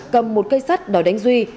cầm một cây sắt đòi đánh duy